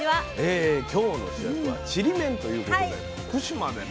今日の主役はちりめんということで徳島でね